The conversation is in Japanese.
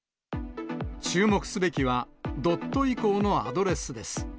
注目すべきは、．以降のアドレスです。